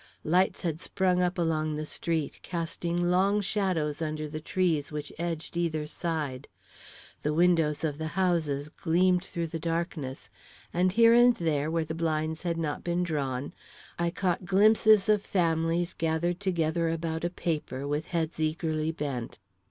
Lights had sprung up along the street, casting long shadows under the trees which edged either side. The windows of the houses gleamed through the darkness, and here and there, where the blinds had not been drawn, I caught glimpses of families gathered together about a paper, with heads eagerly bent.